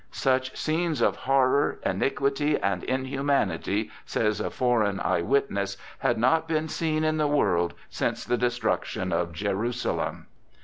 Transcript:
"Such scenes of horror, iniquity, and inhumanity," says a foreign eye witness, "had not been seen in the world since the destruction of Jerusalem."